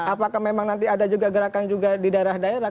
apakah memang nanti ada gerakan subuh berjamaah di setiap daerah